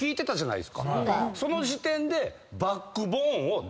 その時点で。